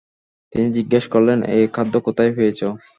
তিনি জিজ্ঞেস করলেন, এ খাদ্য কোথায় পেয়েছ?